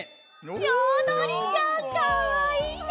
よどりちゃんかわいいね。